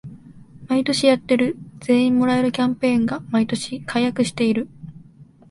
毎年やってる全員もらえるキャンペーンが毎年改悪してる